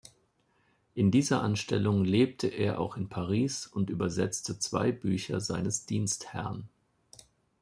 In dieser Anstellung lebte er auch in Paris und übersetzte zwei Bücher seines Dienstherrn.